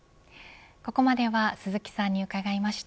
ここまでは鈴木さんに伺いました。